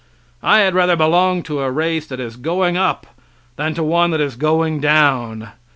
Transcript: I had rather belong to a race that is going up than to one that is going down.